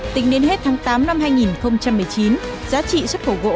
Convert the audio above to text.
tính đến hết tháng tám năm hai nghìn một mươi chín giá trị xuất khẩu gỗ